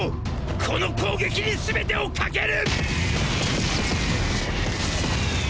この攻撃にすべてを懸ける！！